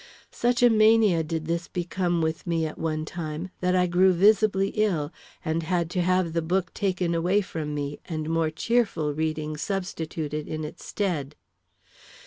Such a mania did this become with me at one time, that I grew visibly ill, and had to have the book taken away from me and more cheerful reading substituted in its stead.